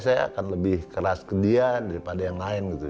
saya akan lebih keras ke dia daripada yang lain gitu